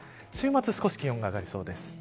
週末は少し気温が上がりそうです。